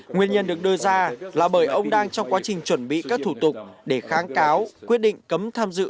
nguyên nhân được đưa ra là bởi ông đang trong quá trình chuẩn bị các thủ tục để kháng cáo quyết định cấm tham dự